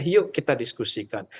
yuk kita diskusikan